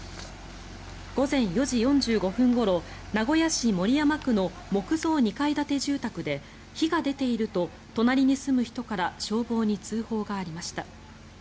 午前４時４５分ごろ名古屋市守山区の木造２階建て住宅で火が出ていると隣に住む人から消防に通報がありました。